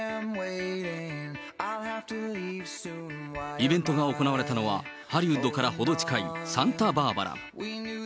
イベントが行われたのは、ハリウッドから程近いサンタバーバラ。